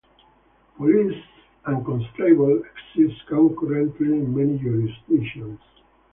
Police and constables exist concurrently in many jurisdictions.